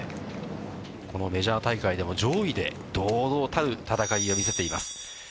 このメジャー大会でも、上位で堂々たる戦いを見せています。